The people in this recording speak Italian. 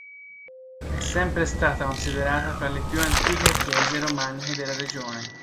È sempre stata considerata fra le più antiche chiese romaniche della regione.